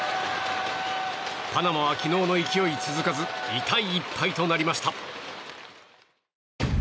パナマは昨日の勢い続かず痛い一敗となりました。